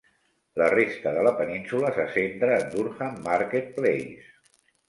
La resta de la península se centra en Durham Market Place.